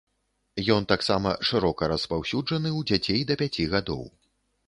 Ён таксама шырока распаўсюджаны ў дзяцей да пяці гадоў.